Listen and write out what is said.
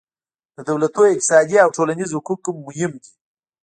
د دولتونو اقتصادي او ټولنیز حقوق هم مهم دي